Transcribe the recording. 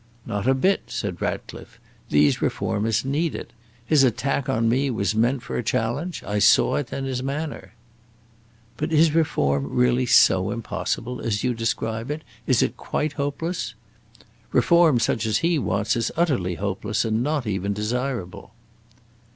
"Not a bit," said Ratcliffe; "these reformers need it. His attack on me was meant for a challenge. I saw it in his manner. "But is reform really so impossible as you describe it? Is it quite hopeless?" "Reform such as he wants is utterly hopeless, and not even desirable."